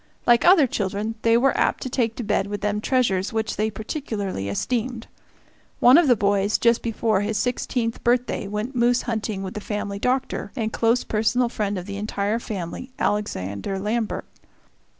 Like other children, they were apt to take to bed with them treasures which they particularly esteemed. One of the boys, just before his sixteenth birthday, went moose hunting with the family doctor, and close personal friend of the entire family, Alexander Lambert.